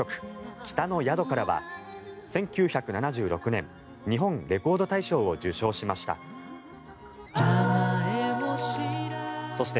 「北の宿から」は１９７６年、日本レコード大賞を受賞しました。